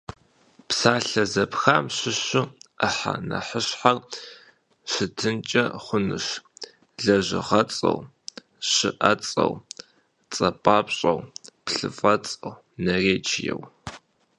Псалъэ зэпхам щыщу ӏыхьэ нэхъыщхьэр щытынкӏэ хъунущ лэжьыгъэцӏэу, щыӏэцӏэу, цӏэпапщӏэу, плъыфэцӏэу, наречиеу.